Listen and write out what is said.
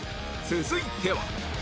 続いては